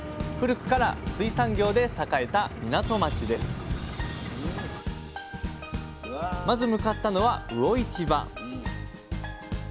古くから水産業で栄えた港町ですまず向かったのは魚市場。